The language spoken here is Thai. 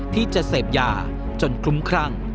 ที่จะเสพยาจนคลุ้มครั่ง